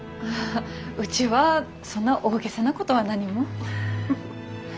うちはそんな大げさなことは何も。